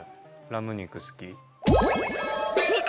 ラム肉好き。